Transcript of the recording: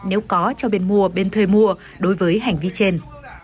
nếu có cho bên mua bên thuê mua đối với hành vi trên